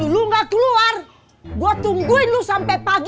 kalau lo nggak keluar gue tungguin lo sampai pagi